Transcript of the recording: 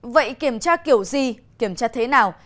vậy kiểm tra kiểu gì kiểm tra thế nào